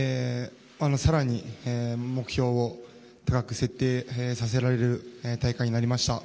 更に目標を高く設定させられる大会になりました。